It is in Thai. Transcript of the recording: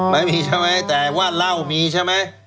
ไม่มีใช่ไหมแต่ว่าเหล้ามีใช่ไหม